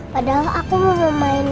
padahal aku mau main